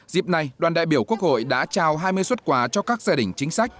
dịp này đoàn đại biểu quốc hội đã trao hai mươi xuất quà cho các gia đình chính sách